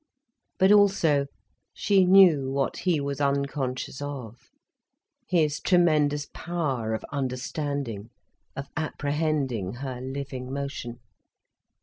But also, she knew what he was unconscious of, his tremendous power of understanding, of apprehending her living motion.